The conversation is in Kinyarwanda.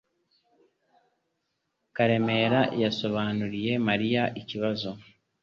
Karemera yasobanuriye Mariya ikibazo.